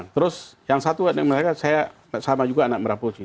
terus yang satu mereka saya sama juga anak merah putih